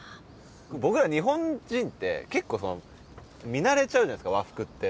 僕ら日本人って結構見慣れちゃうじゃないですか和服って。